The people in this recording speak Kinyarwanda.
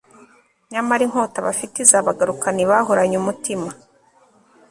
nyamara inkota bafite izabagarukana ibahuranye umutima